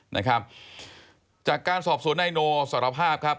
นะครับจากการสอบสวนนายโนสารภาพครับ